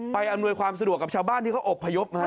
อำนวยความสะดวกกับชาวบ้านที่เขาอบพยพ